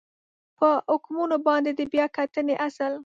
په حکمونو باندې د بیا کتنې اصل